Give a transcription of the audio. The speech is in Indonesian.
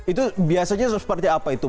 itu biasanya seperti apa itu